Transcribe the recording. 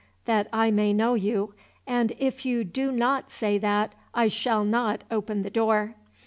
that I may know you; and if you do not say that, I shall not open the door."